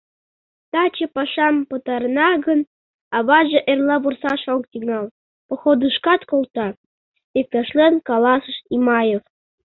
«Таче пашам пытарена гын, аваже эрла вурсаш ок тӱҥал, походышкат колта», — иктешлен каласыш Имаев.